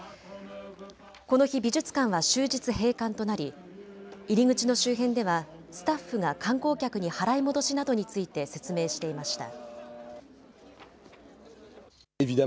この日、美術館は終日閉館となり入り口の周辺ではスタッフが観光客に払い戻しなどについて説明していました。